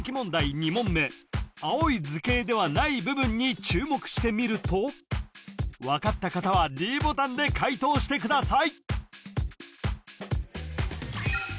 ２問目青い図形ではない部分に注目してみると分かった方はｄボタンで解答してください